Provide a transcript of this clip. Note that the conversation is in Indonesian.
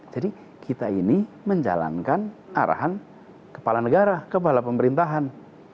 jadi kita ini menjalankan arahan kepala negara kepala pemerintahan